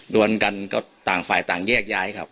วนกันก็ต่างฝ่ายต่างแยกย้ายครับ